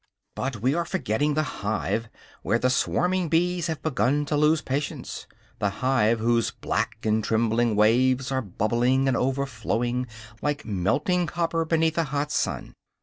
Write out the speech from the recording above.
But we are forgetting the hive, where the swarming bees have begun to lose patience; the hive whose black and trembling waves are bubbling and overflowing, like melting copper beneath a hot sun.